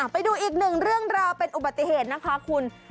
ไปดูอีกหนึ่งเรื่องราวเป็นอุบัติเหตุนะคะคุณ